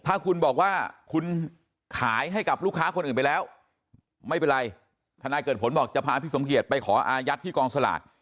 ถ้าคุณบอกว่าคุณขายให้กับลูกค้าคนอื่นไปแล้วไม่เป็นไรทนายเกิดผลบอกจะพาพี่สมเกียจไปขออายัดที่กองสลาก